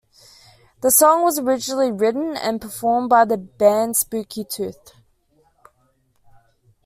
The song was originally written and performed by the band Spooky Tooth.